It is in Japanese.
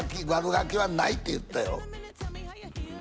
ガキはないって言ってたよ